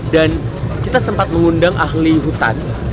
dan kita sempat mengundang ahli hutan